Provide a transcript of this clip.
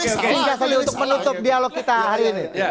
untuk menutup dialog kita hari ini